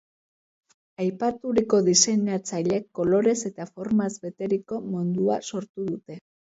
Aipaturiko diseinatzaileek kolorez eta formaz beteriko mundua sortu dute.